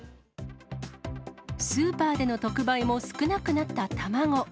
スーパーでの特売も少なくなった卵。